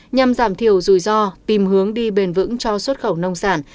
nhằm giảm thiểu rủi ro tìm hướng đi bền vững cho xuất khẩu nông sản